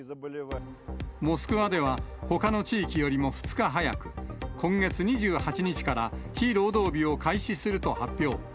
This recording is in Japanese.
モスクワでは、ほかの地域よりも２日早く、今月２８日から、非労働日を開始すると発表。